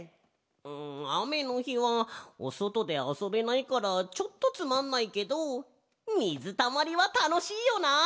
んあめのひはおそとであそべないからちょっとつまんないけどみずたまりはたのしいよな！